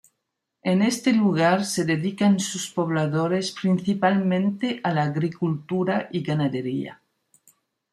En este lugar se dedican sus pobladores principalmente a la agricultura y ganadería.